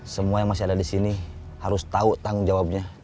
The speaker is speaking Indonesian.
semua yang masih ada di sini harus tahu tanggung jawabnya